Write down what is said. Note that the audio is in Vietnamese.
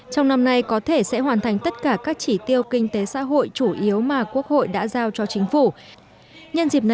trong năm nay có thể sẽ hoàn thành tất cả các trường hợp